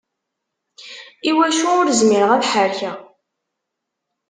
Iwacu ur zmireɣ ad ḥerrkeɣ?